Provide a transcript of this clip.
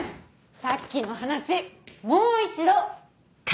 さっきの話もう一度！